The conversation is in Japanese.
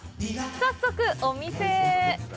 早速、お店へ。